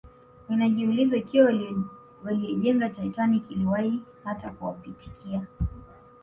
Ninajiuliza ikiwa walioijenga Titanic iliwahi hata kuwapitikia